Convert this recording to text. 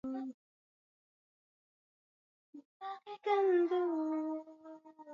Yesu alizaliwa na bikira Maria kwa uwezo wa Roho Mtakatifu huko Bethlehemu ya Uyahudi